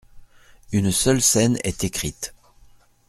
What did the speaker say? Une seule scène est écrite.